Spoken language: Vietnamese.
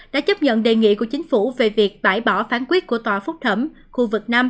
đã chấp nhận đề nghị của chính phủ về việc bãi bỏ phán quyết của tòa phúc thẩm khu vực năm